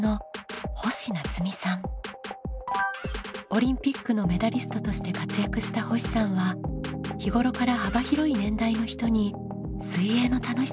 オリンピックのメダリストとして活躍した星さんは日頃から幅広い年代の人に水泳の楽しさを教えています。